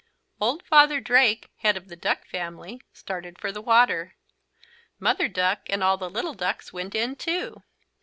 Old Father Drake, the head of the duck family, started for the water. Mother Duck and all the little ducks went in too.